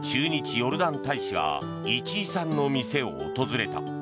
ヨルダン大使が市居さんの店を訪れた。